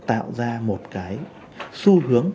tạo ra một cái xu hướng